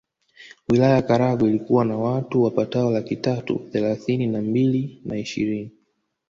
Wilaya ya Karagwe ilikuwa na watu wapatao laki tatu thelathini na mbili na ishirini